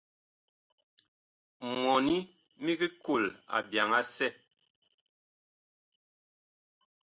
Mɔni mig kol abyaŋ asɛ.